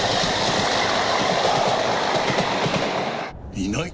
いない？